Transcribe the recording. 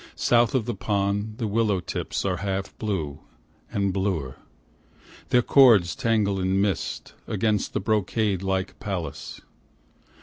South of the pond the willow tips are half blue and bluer, Their cords tangle in mist, against the brocade like palace.